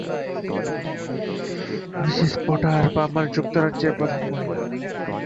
Mrs Potter Palmer যুক্তরাজ্যের প্রধানা মহিলা।